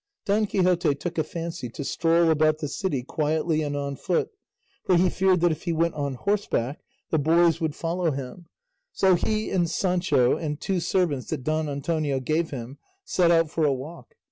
Don Quixote took a fancy to stroll about the city quietly and on foot, for he feared that if he went on horseback the boys would follow him; so he and Sancho and two servants that Don Antonio gave him set out for a walk.